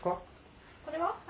これは？